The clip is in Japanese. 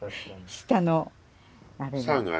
下のあれが。